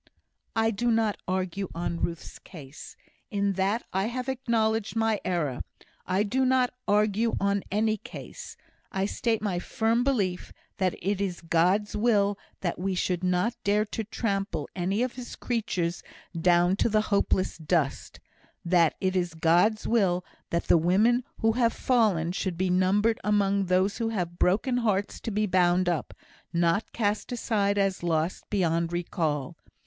"I do not argue on Ruth's case. In that I have acknowledged my error. I do not argue on any case. I state my firm belief, that it is God's will that we should not dare to trample any of His creatures down to the hopeless dust; that it is God's will that the women who have fallen should be numbered among those who have broken hearts to be bound up, not cast aside as lost beyond recall.